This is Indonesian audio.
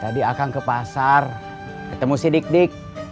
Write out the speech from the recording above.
tadi akan ke pasar ketemu si dik dik